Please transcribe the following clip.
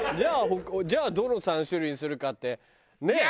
じゃあどの３種類にするかってねえ。